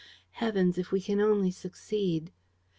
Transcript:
Heavens, if we can only succeed!